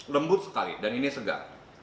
lembut sekali dan ini segar